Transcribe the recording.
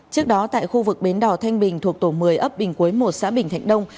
trước đó tại khu vực bến đỏ thanh bình thuộc tổ một mươi ấp bình quế một xã bình thạnh đông